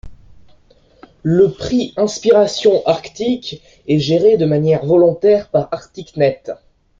Le Prix Inspiration Arctique est géré de manière volontaire par ArcticNet.